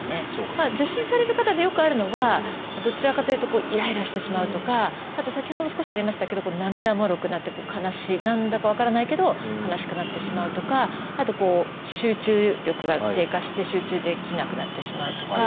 受診される方でよくあるのはどちらかというとイライラしてしまうとかあと先ほども少しありましたけど涙もろくなって悲しい何だか分からないけど悲しくなってしまうとかあと集中力が低下して集中できなくなってしまうとか。